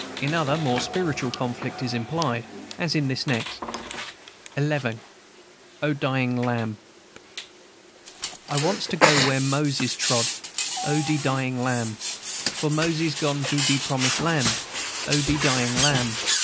In others, more of spiritual conflict is implied, as in this next XI. O THE DYING LAMB! "I wants to go where Moses trod, O de dying Lamb! For Moses gone to de promised land, O de dying Lamb!